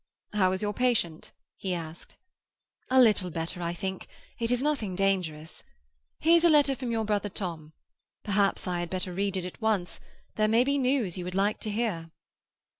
"How is your patient?" he asked. "A little better, I think. It is nothing dangerous. Here's a letter from your brother Tom. Perhaps I had better read it at once; there may be news you would like to hear."